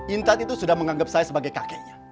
intan itu sudah menganggap saya sebagai kakeknya